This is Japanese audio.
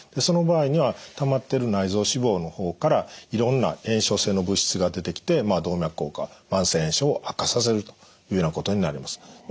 その場合にはたまってる内臓脂肪の方からいろんな炎症性の物質が出てきてまあ動脈硬化慢性炎症を悪化させるというようなことになります。